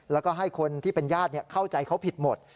แล้วก็ให้คนที่เป็นญาติเข้าใจเขาผิดหมด